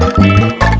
yang dulu nyiksa kita